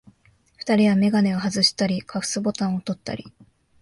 二人はめがねをはずしたり、カフスボタンをとったり、